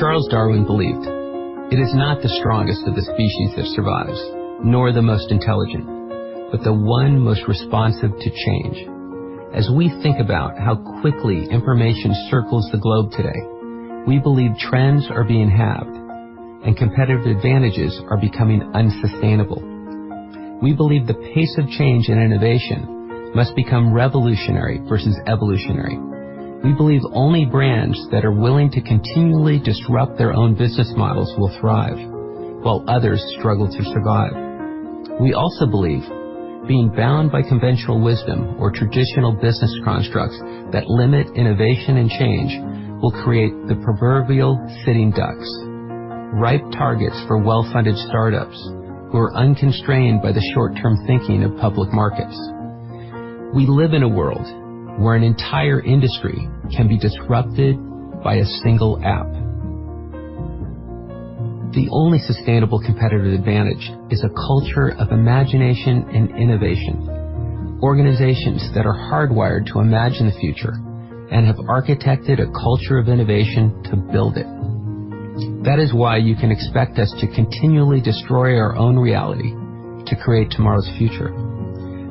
Charles Darwin believed it is not the strongest of the species that survives, nor the most intelligent, but the one most responsive to change. As we think about how quickly information circles the globe today, we believe trends are being halved and competitive advantages are becoming unsustainable. We believe the pace of change in innovation must become revolutionary versus evolutionary. We believe only brands that are willing to continually disrupt their own business models will thrive, while others struggle to survive. We also believe being bound by conventional wisdom or traditional business constructs that limit innovation and change will create the proverbial sitting ducks, ripe targets for well-funded startups who are unconstrained by the short-term thinking of public markets. We live in a world where an entire industry can be disrupted by a single app. The only sustainable competitive advantage is a culture of imagination and innovation. Organizations that are hardwired to imagine the future and have architected a culture of innovation to build it. That is why you can expect us to continually destroy our own reality to create tomorrow's future.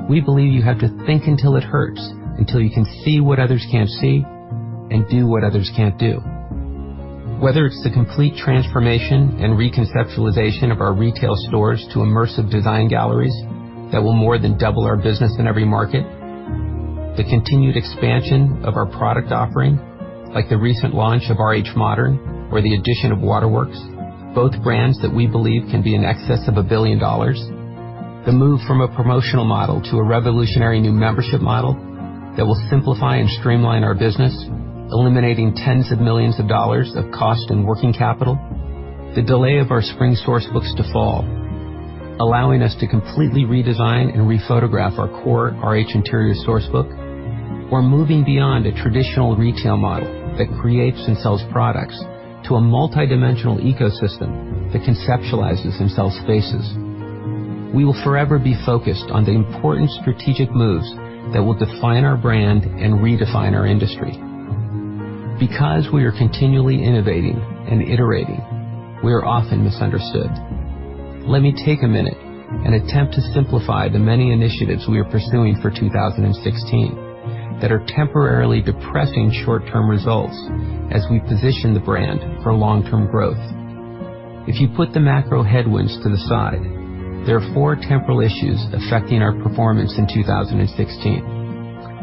We believe you have to think until it hurts, until you can see what others can't see and do what others can't do. Whether it's the complete transformation and reconceptualization of our retail stores to immersive design galleries that will more than double our business in every market, the continued expansion of our product offering, like the recent launch of RH Modern or the addition of Waterworks, both brands that we believe can be in excess of $1 billion. The move from a promotional model to a revolutionary new membership model that will simplify and streamline our business, eliminating tens of millions of dollars of cost and working capital. The delay of our spring source books to fall, allowing us to completely redesign and re-photograph our core RH Interiors source book. Moving beyond a traditional retail model that creates and sells products to a multidimensional ecosystem that conceptualizes and sells spaces. We will forever be focused on the important strategic moves that will define our brand and redefine our industry. Because we are continually innovating and iterating, we are often misunderstood. Let me take a minute and attempt to simplify the many initiatives we are pursuing for 2016 that are temporarily depressing short-term results as we position the brand for long-term growth. If you put the macro headwinds to the side, there are four temporal issues affecting our performance in 2016.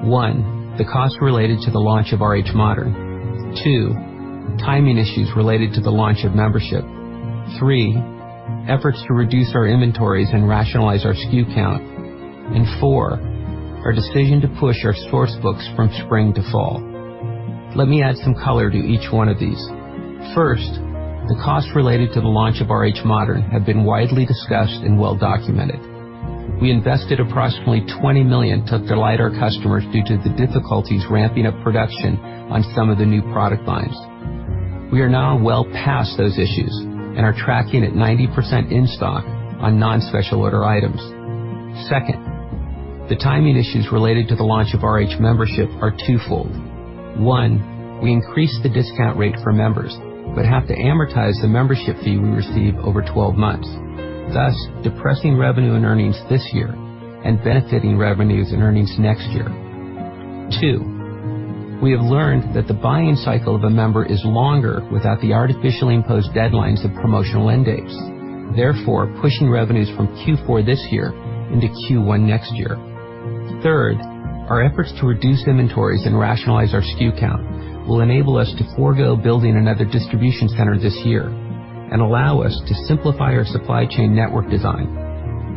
One, the cost related to the launch of RH Modern. Two, timing issues related to the launch of membership. Three, efforts to reduce our inventories and rationalize our SKU count. Four, our decision to push our source books from spring to fall. Let me add some color to each one of these. First, the cost related to the launch of RH Modern have been widely discussed and well documented. We invested approximately $20 million to delight our customers due to the difficulties ramping up production on some of the new product lines. We are now well past those issues and are tracking at 90% in stock on non-special order items. Second, the timing issues related to the launch of RH membership are twofold. One, we increased the discount rate for members but have to amortize the membership fee we receive over 12 months, thus depressing revenue and earnings this year and benefiting revenues and earnings next year. Two, we have learned that the buying cycle of a member is longer without the artificially imposed deadlines of promotional end dates, therefore pushing revenues from Q4 this year into Q1 next year. Third, our efforts to reduce inventories and rationalize our SKU count will enable us to forego building another distribution center this year and allow us to simplify our supply chain network design,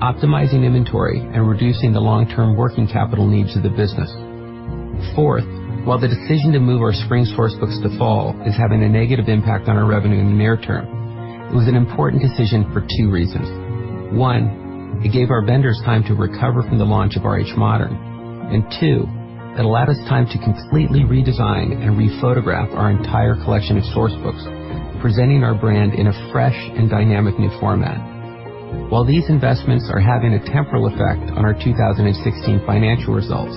optimizing inventory and reducing the long-term working capital needs of the business. Fourth, while the decision to move our spring source books to fall is having a negative impact on our revenue in the near term, it was an important decision for two reasons. One, it gave our vendors time to recover from the launch of RH Modern. Two, it allowed us time to completely redesign and re-photograph our entire collection of source books, presenting our brand in a fresh and dynamic new format. While these investments are having a temporal effect on our 2016 financial results,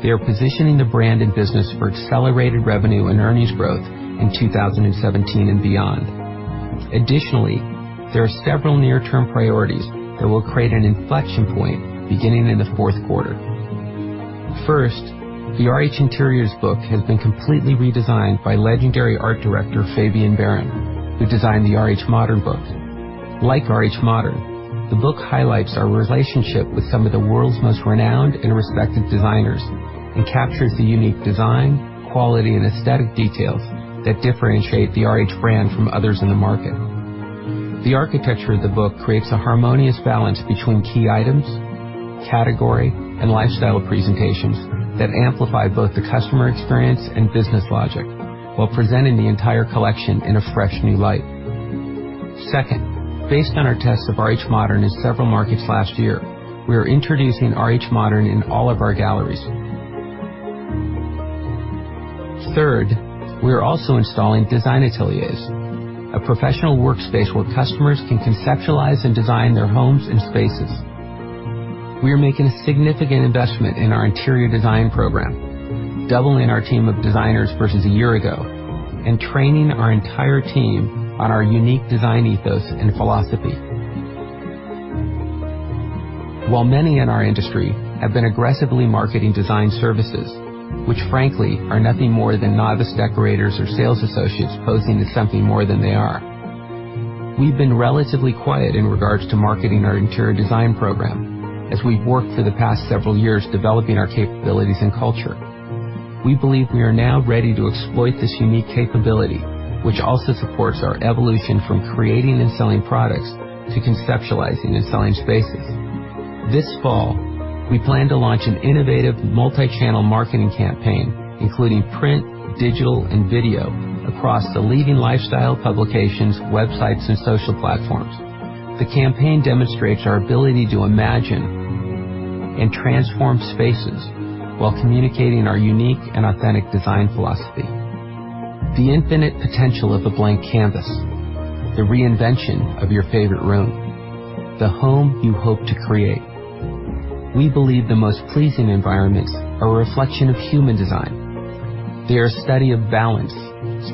they are positioning the brand and business for accelerated revenue and earnings growth in 2017 and beyond. Additionally, there are several near-term priorities that will create an inflection point beginning in the fourth quarter. First, the RH Interiors book has been completely redesigned by legendary art director, Fabien Baron, who designed the RH Modern book. Like RH Modern, the book highlights our relationship with some of the world's most renowned and respected designers and captures the unique design, quality, and aesthetic details that differentiate the RH brand from others in the market. The architecture of the book creates a harmonious balance between key items, category, and lifestyle presentations that amplify both the customer experience and business logic while presenting the entire collection in a fresh new light. Second, based on our tests of RH Modern in several markets last year, we are introducing RH Modern in all of our galleries. Third, we are also installing Design Ateliers, a professional workspace where customers can conceptualize and design their homes and spaces. We are making a significant investment in our interior design program, doubling our team of designers versus a year ago, and training our entire team on our unique design ethos and philosophy. While many in our industry have been aggressively marketing design services, which frankly are nothing more than novice decorators or sales associates posing as something more than they are, we've been relatively quiet in regards to marketing our interior design program as we've worked for the past several years developing our capabilities and culture. We believe we are now ready to exploit this unique capability, which also supports our evolution from creating and selling products to conceptualizing and selling spaces. This fall, we plan to launch an innovative multi-channel marketing campaign, including print, digital, and video across the leading lifestyle publications, websites, and social platforms. The campaign demonstrates our ability to imagine and transform spaces while communicating our unique and authentic design philosophy. The infinite potential of a blank canvas, the reinvention of your favorite room, the home you hope to create. We believe the most pleasing environments are a reflection of human design. They are a study of balance,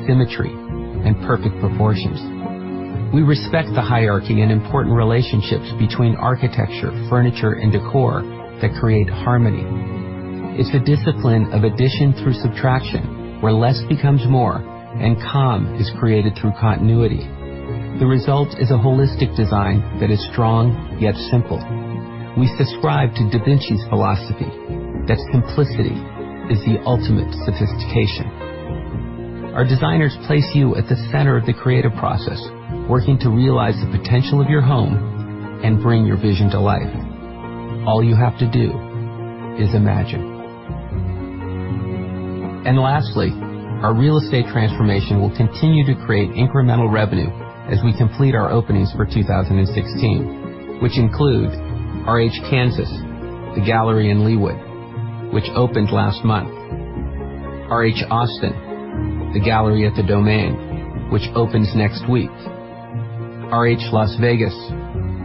symmetry, and perfect proportions. We respect the hierarchy and important relationships between architecture, furniture, and decor that create harmony. It's the discipline of addition through subtraction, where less becomes more and calm is created through continuity. The result is a holistic design that is strong yet simple. We subscribe to Da Vinci's philosophy that simplicity is the ultimate sophistication. Our designers place you at the center of the creative process, working to realize the potential of your home and bring your vision to life. All you have to do is imagine. Lastly, our real estate transformation will continue to create incremental revenue as we complete our openings for 2016, which include RH Kansas, the gallery in Leawood, which opened last month; RH Austin, the gallery at the Domain, which opens next week; RH Las Vegas,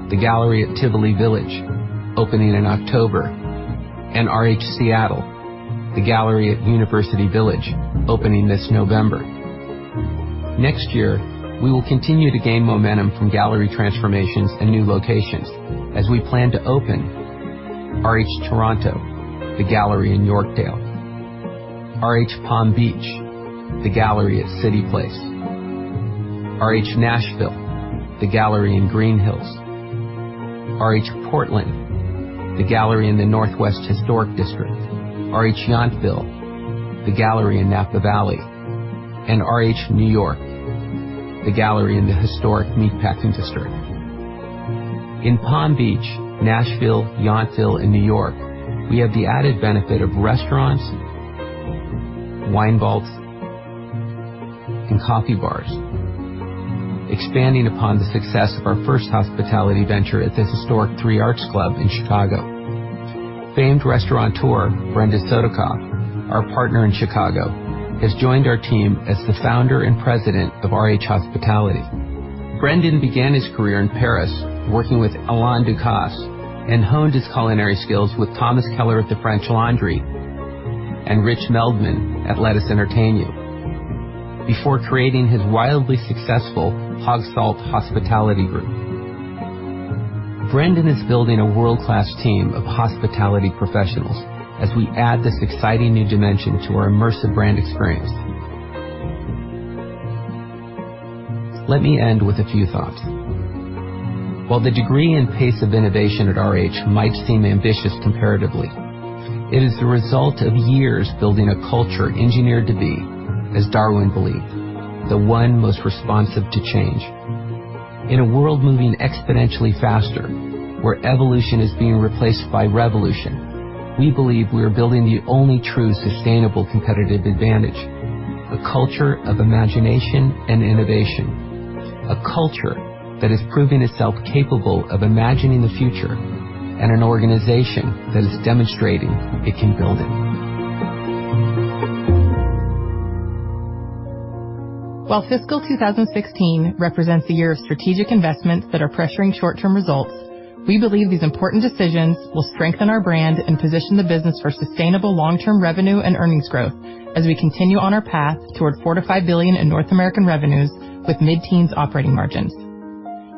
the gallery at Tivoli Village, opening in October; and RH Seattle, the gallery at University Village, opening this November. Next year, we will continue to gain momentum from gallery transformations and new locations as we plan to open RH Toronto, the gallery in Yorkdale; RH Palm Beach, the gallery at CityPlace; RH Nashville, the gallery in Green Hills; RH Portland, the gallery in the Northwest Historic District; RH Yountville, the gallery in Napa Valley; and RH New York, the gallery in the historic Meatpacking District. In Palm Beach, Nashville, Yountville, and New York, we have the added benefit of restaurants, wine vaults, and coffee bars, expanding upon the success of our first hospitality venture at the historic Three Arts Club in Chicago. Famed restaurateur Brendan Sodikoff, our partner in Chicago, has joined our team as the founder and President of RH Hospitality. Brendan began his career in Paris, working with Alain Ducasse, and honed his culinary skills with Thomas Keller at The French Laundry and Rich Melman at Lettuce Entertain You before creating his wildly successful Hogsalt Hospitality group. Brendan is building a world-class team of hospitality professionals as we add this exciting new dimension to our immersive brand experience. Let me end with a few thoughts. While the degree and pace of innovation at RH might seem ambitious comparatively, it is the result of years building a culture engineered to be, as Darwin believed, the one most responsive to change. In a world moving exponentially faster, where evolution is being replaced by revolution, we believe we are building the only true sustainable competitive advantage, a culture of imagination and innovation, a culture that has proven itself capable of imagining the future, and an organization that is demonstrating it can build it. While fiscal 2016 represents the year of strategic investments that are pressuring short-term results, we believe these important decisions will strengthen our brand and position the business for sustainable long-term revenue and earnings growth as we continue on our path toward $4 billion-$5 billion in North American revenues with mid-teens operating margins.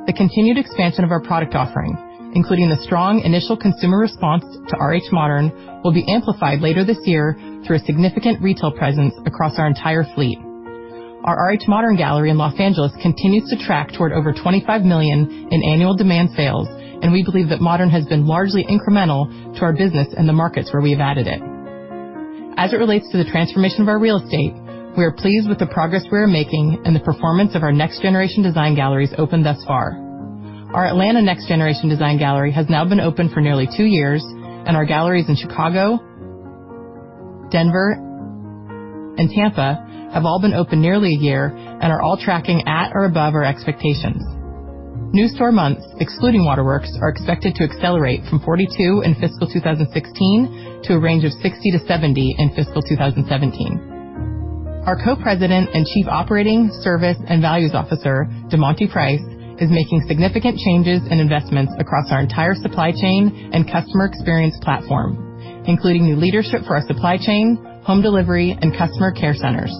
The continued expansion of our product offering, including the strong initial consumer response to RH Modern, will be amplified later this year through a significant retail presence across our entire fleet. Our RH Modern gallery in Los Angeles continues to track toward over $25 million in annual demand sales, and we believe that Modern has been largely incremental to our business and the markets where we've added it. As it relates to the transformation of our real estate, we are pleased with the progress we are making and the performance of our next-generation design galleries opened thus far. Our Atlanta next-generation design gallery has now been open for nearly two years, and our galleries in Chicago, Denver, and Tampa have all been open nearly a year and are all tracking at or above our expectations. New store months, excluding Waterworks, are expected to accelerate from 42 in fiscal 2016 to a range of 60-70 in fiscal 2017. Our Co-President and Chief Operating, Service, and Values Officer, DeMonty Price, is making significant changes in investments across our entire supply chain and customer experience platform, including new leadership for our supply chain, home delivery, and customer care centers.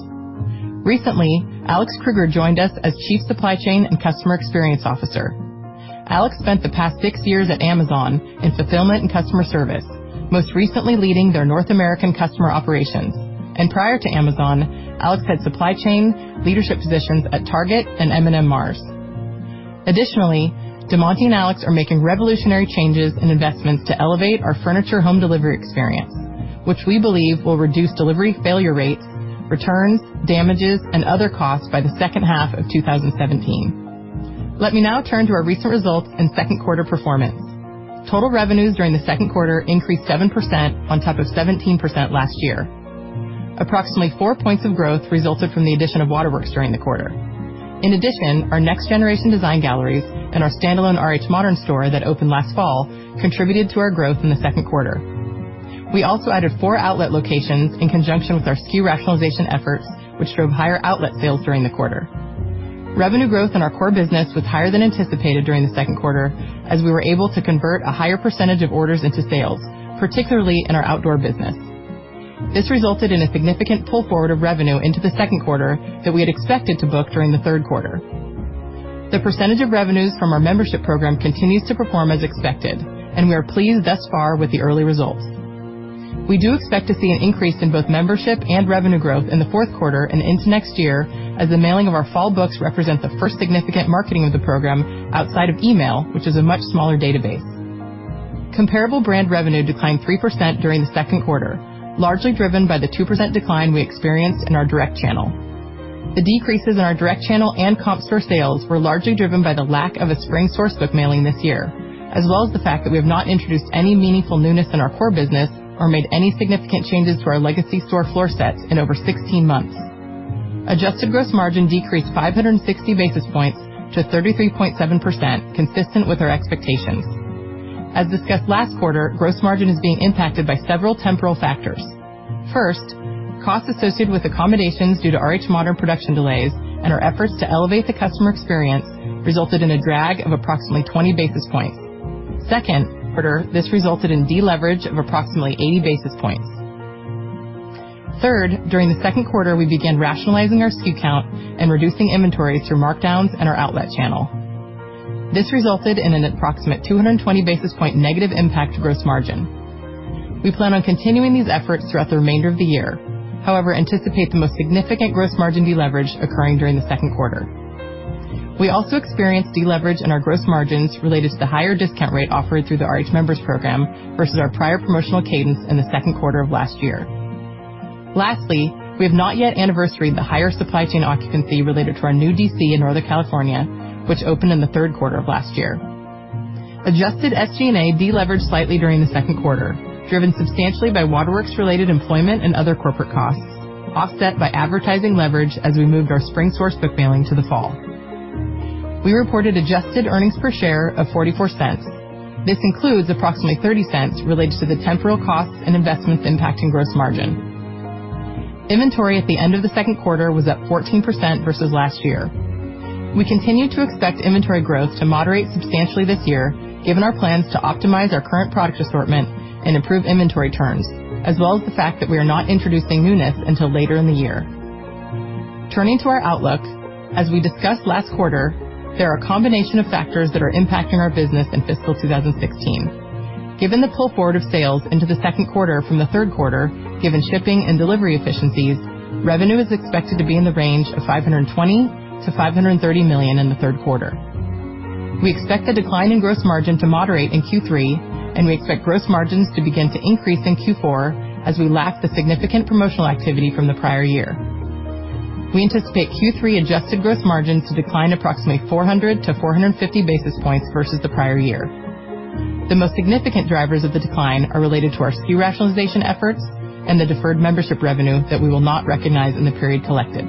Recently, Alex Kruger joined us as Chief Supply Chain and Customer Experience Officer. Alex spent the past six years at Amazon in fulfillment and customer service, most recently leading their North American customer operations. Prior to Amazon, Alex had supply chain leadership positions at Target and M&M Mars. Additionally, DeMonty and Alex are making revolutionary changes in investments to elevate our furniture home delivery experience, which we believe will reduce delivery failure rates, returns, damages, and other costs by the second half of 2017. Let me now turn to our recent results and second quarter performance. Total revenues during the second quarter increased 7% on top of 17% last year. Approximately four points of growth resulted from the addition of Waterworks during the quarter. In addition, our next-generation design galleries and our standalone RH Modern store that opened last fall contributed to our growth in the second quarter. We also added four outlet locations in conjunction with our SKU rationalization efforts, which drove higher outlet sales during the quarter. Revenue growth in our core business was higher than anticipated during the second quarter, as we were able to convert a higher percentage of orders into sales, particularly in our outdoor business. This resulted in a significant pull forward of revenue into the second quarter that we had expected to book during the third quarter. The percentage of revenues from our Membership Program continues to perform as expected, and we are pleased thus far with the early results. We do expect to see an increase in both membership and revenue growth in the fourth quarter and into next year as the mailing of our fall books represents the first significant marketing of the program outside of email, which is a much smaller database. Comparable brand revenue declined 3% during the second quarter, largely driven by the 2% decline we experienced in our direct channel. The decreases in our direct channel and comp store sales were largely driven by the lack of a spring source book mailing this year, as well as the fact that we have not introduced any meaningful newness in our core business or made any significant changes to our legacy store floor sets in over 16 months. Adjusted gross margin decreased 560 basis points to 33.7%, consistent with our expectations. As discussed last quarter, gross margin is being impacted by several temporal factors. First, costs associated with accommodations due to RH Modern production delays and our efforts to elevate the customer experience resulted in a drag of approximately 20 basis points. Second quarter, this resulted in deleverage of approximately 80 basis points. Third, during the second quarter, we began rationalizing our SKU count and reducing inventory through markdowns in our outlet channel. This resulted in an approximate 220 basis point negative impact to gross margin. We plan on continuing these efforts throughout the remainder of the year, however, anticipate the most significant gross margin deleverage occurring during the second quarter. We also experienced deleverage in our gross margins related to the higher discount rate offered through the RH Members Program versus our prior promotional cadence in the second quarter of last year. Lastly, we have not yet anniversaried the higher supply chain occupancy related to our new DC in Northern California, which opened in the third quarter of last year. Adjusted SG&A deleveraged slightly during the second quarter, driven substantially by Waterworks-related employment and other corporate costs, offset by advertising leverage as we moved our spring source book mailing to the fall. We reported adjusted earnings per share of $0.44. This includes approximately $0.30 related to the temporal costs and investments impacting gross margin. Inventory at the end of the second quarter was up 14% versus last year. We continue to expect inventory growth to moderate substantially this year, given our plans to optimize our current product assortment and improve inventory turns, as well as the fact that we are not introducing newness until later in the year. Turning to our outlook, as we discussed last quarter, there are a combination of factors that are impacting our business in fiscal 2016. Given the pull forward of sales into the second quarter from the third quarter, given shipping and delivery efficiencies, revenue is expected to be in the range of $520 million-$530 million in the third quarter. We expect the decline in gross margin to moderate in Q3, and we expect gross margins to begin to increase in Q4 as we lack the significant promotional activity from the prior year. We anticipate Q3 adjusted gross margins to decline approximately 400-450 basis points versus the prior year. The most significant drivers of the decline are related to our SKU rationalization efforts and the deferred membership revenue that we will not recognize in the period collected.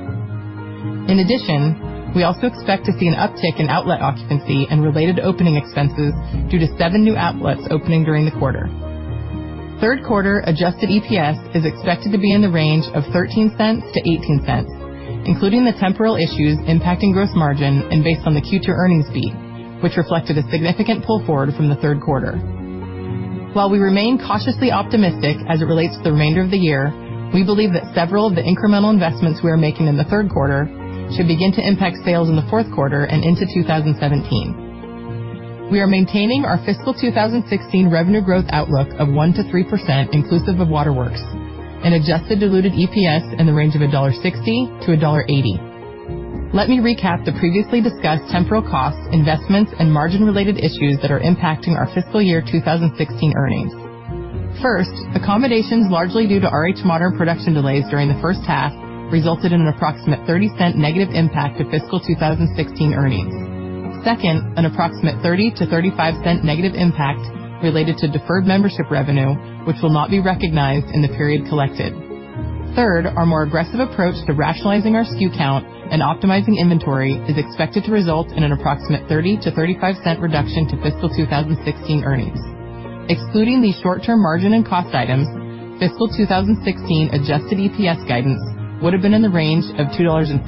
In addition, we also expect to see an uptick in outlet occupancy and related opening expenses due to seven new outlets opening during the quarter. Third quarter adjusted EPS is expected to be in the range of $0.13-$0.18, including the temporal issues impacting gross margin and based on the Q2 earnings beat, which reflected a significant pull forward from the third quarter. While we remain cautiously optimistic as it relates to the remainder of the year, we believe that several of the incremental investments we are making in the third quarter should begin to impact sales in the fourth quarter and into 2017. We are maintaining our fiscal 2016 revenue growth outlook of 1%-3% inclusive of Waterworks, an adjusted diluted EPS in the range of $1.60-$1.80. Let me recap the previously discussed temporal costs, investments, and margin-related issues that are impacting our fiscal year 2016 earnings. First, accommodations largely due to RH Modern production delays during the first half resulted in an approximate $0.30 negative impact to fiscal 2016 earnings. Second, an approximate $0.30-$0.35 negative impact related to deferred membership revenue, which will not be recognized in the period collected. Third, our more aggressive approach to rationalizing our SKU count and optimizing inventory is expected to result in an approximate $0.30-$0.35 reduction to fiscal 2016 earnings. Excluding these short-term margin and cost items, fiscal 2016 adjusted EPS guidance would have been in the range of $2.50-$2.80.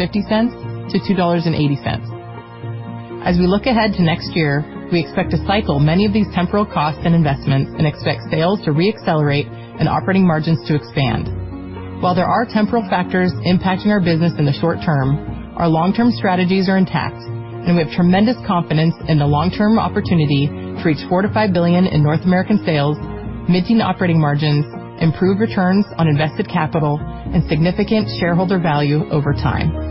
As we look ahead to next year, we expect to cycle many of these temporal costs and investments and expect sales to re-accelerate and operating margins to expand. While there are temporal factors impacting our business in the short term, our long-term strategies are intact, and we have tremendous confidence in the long-term opportunity to reach $4 billion-$5 billion in North American sales, mid-teen operating margins, improved returns on invested capital, and significant shareholder value over time.